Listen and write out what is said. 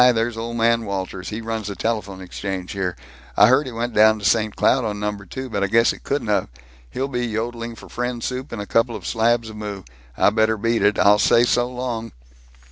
there's Old Man Walters, he runs the telephone exchange here, I heard he went down to St. Cloud on Number 2, but I guess he couldn't of, he'll be yodeling for friend soup and a couple slabs of moo, I better beat it, I'll say so, so long."